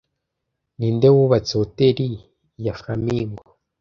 Ninde wubatse hoteri ya Flamingo